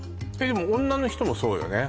でも女の人もそうよね